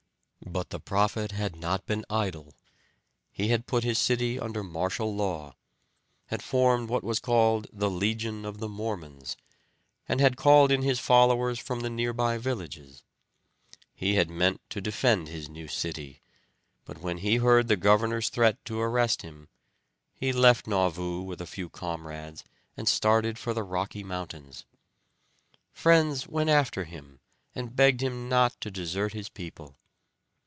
But the prophet had not been idle. He had put his city under martial law, had formed what was called the Legion of the Mormons, and had called in his followers from the near by villages. He had meant to defend his new city; but when he heard the governor's threat to arrest him, he left Nauvoo with a few comrades and started for the Rocky Mountains. Friends went after him, and begged him not to desert his people.